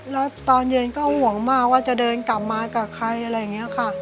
แล้วตอนเย็นก็ห่วงมากว่าจะเดินกลับมากับใครอะไรอย่างนี้ค่ะ